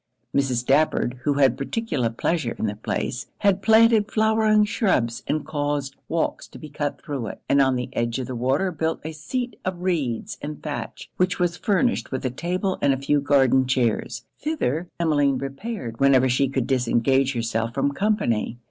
Mrs. Stafford, who had particular pleasure in the place, had planted flowering shrubs and caused walks to be cut through it; and on the edge of the water built a seat of reeds and thatch, which was furnished with a table and a few garden chairs. Thither Emmeline repaired whenever she could disengage herself from company.